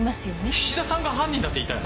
菱田さんが犯人だって言いたいの？